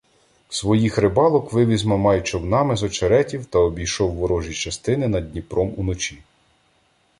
Своїх "рибалок" вивіз Мамай човнами з очеретів та обійшов ворожі частини над Дніпром уночі.